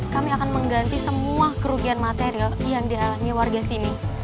kami akan mengganti semua kerugian material yang dialami warga sini